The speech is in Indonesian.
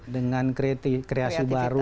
dengan kreatifitas kreatifitas